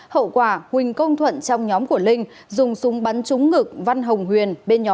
hậu quả huỳnh công thuận trong nhóm của linh dùng súng bắn trúng ngực văn hồng huyền